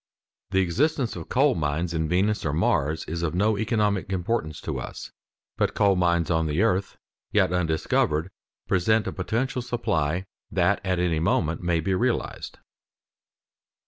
The existence of coal mines in Venus or Mars is of no economic importance to us, but coal mines on the earth, yet undiscovered, present a potential supply that at any moment may be realized.